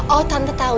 oh tante tau